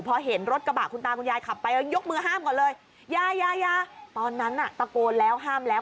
พอเห็นรถกระบะคุณตาคุณยายขับไปยกมือห้ามก่อนเลยยายายาตอนนั้นน่ะตะโกนแล้วห้ามแล้ว